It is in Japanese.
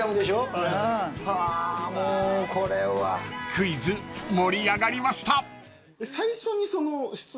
［クイズ盛り上がりました］